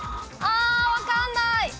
分かんない！